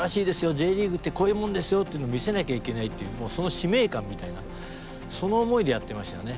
「Ｊリーグってこういうもんですよ」っていうのを見せなきゃいけないっていうその使命感みたいなその思いでやってましたよね。